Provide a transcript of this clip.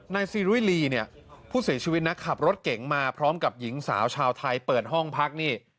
ซีรุยลีเนี่ยผู้เสียชีวิตนะขับรถเก๋งมาพร้อมกับหญิงสาวชาวไทยเปิดห้องพักนี่